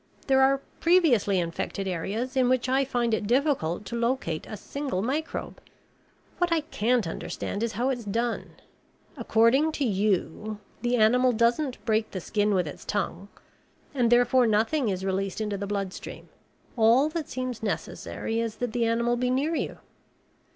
"There are previously infected areas in which I find it difficult to locate a single microbe. What I can't understand is how it's done. According to you, the animal doesn't break the skin with its tongue and therefore nothing is released into the bloodstream. All that seems necessary is that the animal be near you."